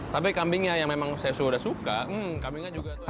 tapi kambingnya yang memang saya sudah suka hmm kambingnya juga enak banget